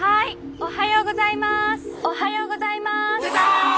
「おはようございます」。